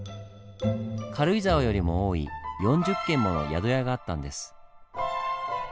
軽井沢よりも多い４０軒もの宿屋があったんです。